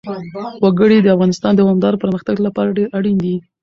وګړي د افغانستان د دوامداره پرمختګ لپاره ډېر اړین دي.